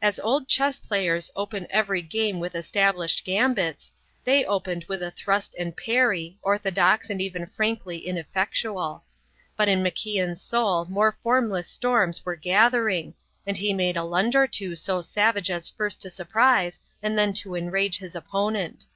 As old chess players open every game with established gambits, they opened with a thrust and parry, orthodox and even frankly ineffectual. But in MacIan's soul more formless storms were gathering, and he made a lunge or two so savage as first to surprise and then to enrage his opponent.